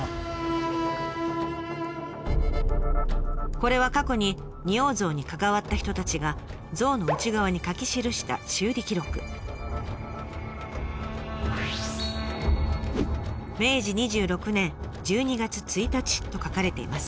これは過去に仁王像に関わった人たちが像の内側に書き記した修理記録。と書かれています。